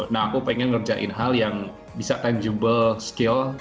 nah aku pengen ngerjain hal yang bisa tangible skill